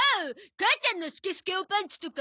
母ちゃんのスケスケおパンツとか？